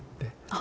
あ。